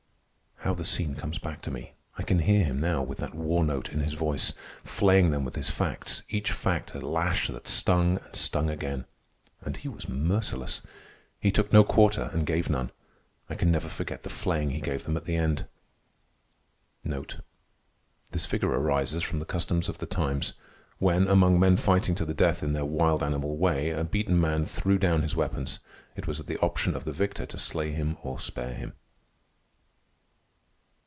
How the scene comes back to me! I can hear him now, with that war note in his voice, flaying them with his facts, each fact a lash that stung and stung again. And he was merciless. He took no quarter, and gave none. I can never forget the flaying he gave them at the end: This figure arises from the customs of the times. When, among men fighting to the death in their wild animal way, a beaten man threw down his weapons, it was at the option of the victor to slay him or spare him.